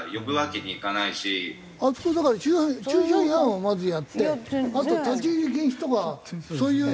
あそこだから駐車違反をまずやってあと立ち入り禁止とかそういう。